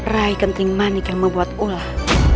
rai kenting manik yang membuat ulah